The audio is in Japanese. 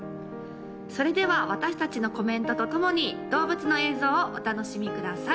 それでは私達のコメントとともに動物の映像をお楽しみください